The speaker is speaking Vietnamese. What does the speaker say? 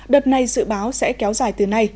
đợt này dự báo sẽ kéo dài từ nay